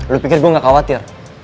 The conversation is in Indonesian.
lo pikir gua gak khawatir